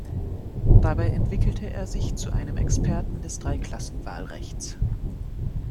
Dabei entwickelte er sich zu einem Experten des Dreiklassenwahlrechts.